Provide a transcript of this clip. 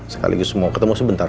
sekali lagi semua ketemu sebentar